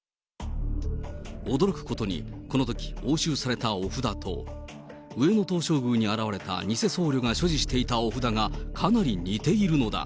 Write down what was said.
驚くことに、このとき押収されたお札と、上野東照宮に現れた偽僧侶が所持していたお札がかなり似ているのだ。